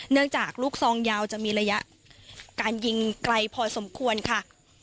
จากลูกซองยาวจะมีระยะการยิงไกลพอสมควรค่ะ